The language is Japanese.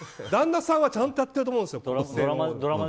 旦那さんはちゃんとしてると思うんですね。